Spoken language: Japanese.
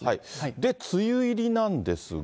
で、梅雨入りなんですが。